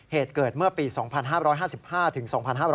เหตุเกิดเมื่อปี๒๕๕๕ถึง๒๕๕๙